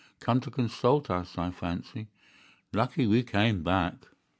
Come to consult us, I fancy! Lucky we came back!"